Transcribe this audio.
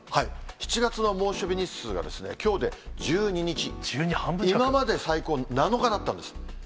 ７月の猛暑日日数が、きょうで１２日、今まで最高７日だったんです。